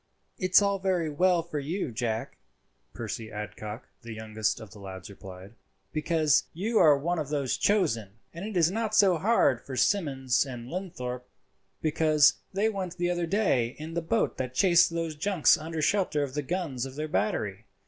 "It's all very well for you, Jack," Percy Adcock, the youngest of the lads, replied, "because you are one of those chosen; and it is not so hard for Simmons and Linthorpe, because they went the other day in the boat that chased those junks under shelter of the guns of their battery.